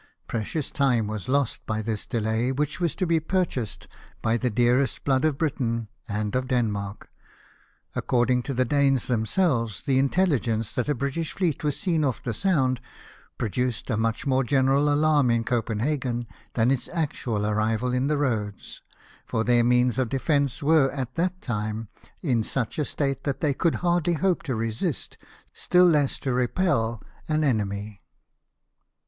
Precious time was lost by this delay, which was to be purchased by the dearest blood of Britain and of Denmark. According to the Danes themselves the intelligence that a British fleet was seen oft* the Sound produced a much more general alarm in Copenhagen than its actual arrival in the roads, for their means of defence were at that time in such a state that they could hardly hope to resist, still less to repel, an enemy.